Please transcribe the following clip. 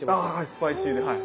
スパイシーではい。